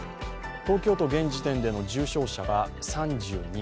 東京都、現時点での重症者が３２人。